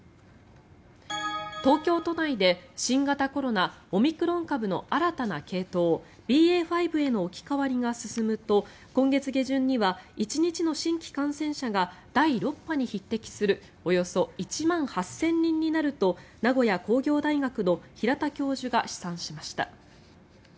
東京都内で新型コロナ、オミクロン株の新たな系統、ＢＡ．５への置き換わりが進むと今月下旬には１日の新規感染者が第６波に匹敵するおよそ１万８０００人になると名古屋工業大学の平田教授が試算しました。